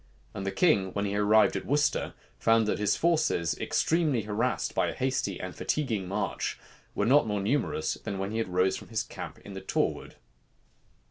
And the king, when he arrived at Worcester, found that his forces, extremely harassed by a hasty and fatiguing march, were not more numerous than when he rose from his camp in the Torwood.